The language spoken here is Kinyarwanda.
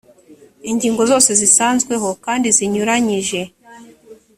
ingingo zose zisanzweho kandi zinyuranyije